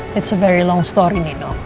cerita ini sangat panjang nino